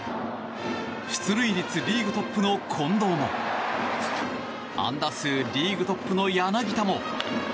出塁率リーグトップの近藤も安打数リーグトップの柳田も。